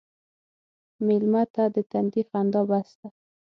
مېلمه ته د تندي خندا بس ده.